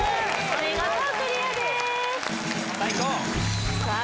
お見事クリアですさあ